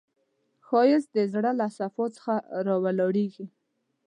ښایست د زړه له صفا څخه راولاړیږي